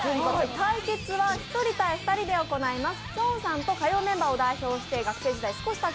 対決は１人対２人で行っていただきます。